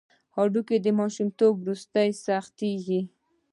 هډوکي د ماشومتوب وروسته سختېږي.